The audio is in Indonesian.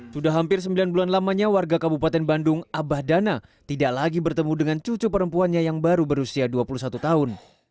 sudah hampir sembilan bulan lamanya warga kabupaten bandung abah dana tidak lagi bertemu dengan cucu perempuannya yang baru berusia dua puluh satu tahun